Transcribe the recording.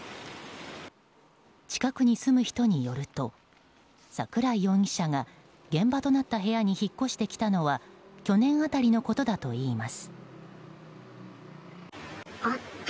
近くに住む人によると桜井容疑者が現場となった部屋に引っ越してきたのは去年辺りのことだといいます。